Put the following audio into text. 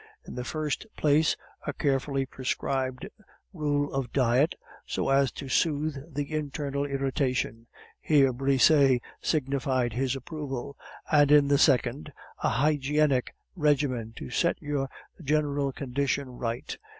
In the first place, a carefully prescribed rule of diet, so as to soothe the internal irritation" here Brisset signified his approval; "and in the second, a hygienic regimen, to set your general condition right.